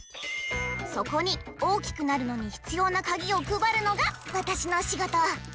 そこに大きくなるのに必要なカギをくばるのがわたしのしごと。